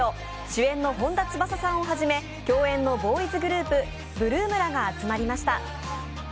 主演の本田翼さんをはじめ共演のボーイズグループ８ＬＯＯＭらが集まりました。